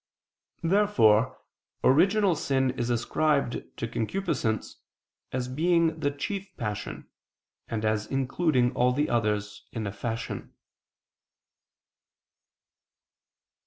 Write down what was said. Therefore original sin is ascribed to concupiscence, as being the chief passion, and as including all the others, in a fashion.